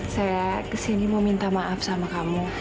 saya kesini mau minta maaf sama kamu